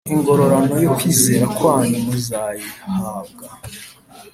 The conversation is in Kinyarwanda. ingororano yo kwizera kwanyu muzayihabwa